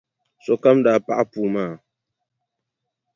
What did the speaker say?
Sokam daa paɣi puu maa.